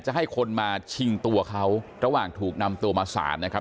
ให้คนมาชิงตัวเขาระหว่างถูกนำตัวมาสารนะครับ